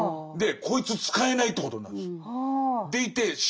こいつ使えないということになるんです。